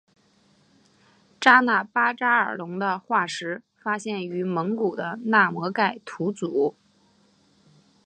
扎纳巴扎尔龙的化石发现于蒙古的纳摩盖吐组。